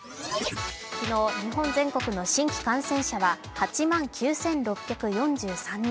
昨日、日本全国の新規感染者は８万９６４３人。